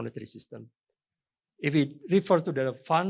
jika kita menggambarkan keuangan